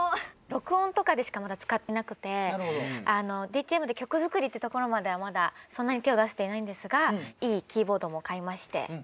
録音とかでしかまだ使っていなくてＤＴＭで曲作りってところまではまだそんなに手を出していないんですがいいキーボードも買いまして。